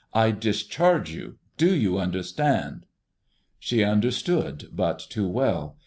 I discharge you; do you understand?" She understood but too well.